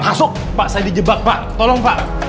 masuk pak saya dijebak pak tolong pak